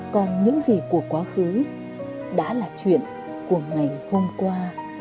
còn những gì của quá khứ đã là chuyện của ngày hôm qua